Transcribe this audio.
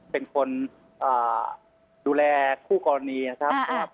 เป็นคนดูแลคู่กรณีนะครับ